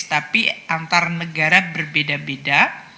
tapi antar negara berbeda beda